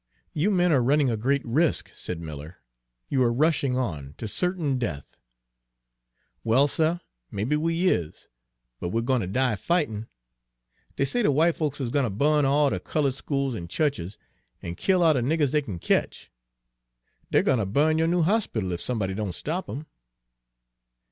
"You men are running a great risk," said Miller. "You are rushing on to certain death." "Well, suh, maybe we is; but we're gwine ter die fightin'. Dey say de w'ite folks is gwine ter bu'n all de cullud schools an' chu'ches, an' kill all de niggers dey kin ketch. Dey're gwine ter bu'n yo' new hospittle, ef somebody don' stop 'em."